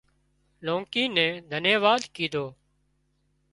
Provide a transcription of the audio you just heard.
لونڪي نين ڌنيواد ڪيڌون